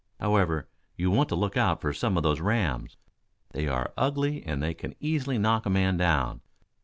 However, you want to look out for some of those rams. They are ugly and they can easily knock a man down.